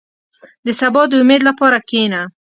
• د سبا د امید لپاره کښېنه.